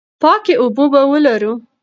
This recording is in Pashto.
پاکې اوبه به ولرو.